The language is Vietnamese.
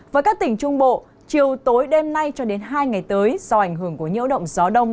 với các tỉnh trung bộ chiều tối đêm nay cho đến hai ngày tới do ảnh hưởng của nhiễu động gió đông